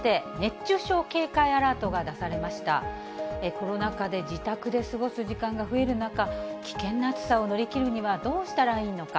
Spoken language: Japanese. コロナ禍で自宅で過ごす時間が増える中、危険な暑さを乗り切るにはどうしたらいいのか。